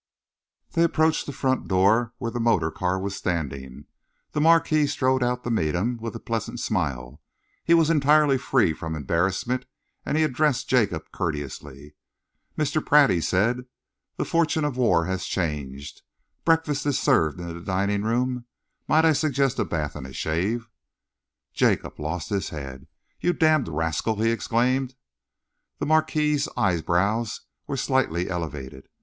They approached the front door, where the motor car was standing. The Marquis strolled out to meet them, with a pleasant smile. He was entirely free from embarrassment and he addressed Jacob courteously. "Mr. Pratt," he said, "the fortune of war has changed. Breakfast is served in the dining room. Might I suggest a bath and a shave?" Jacob lost his head. "You damned rascal!" he exclaimed. The Marquis's eyebrows were slightly elevated.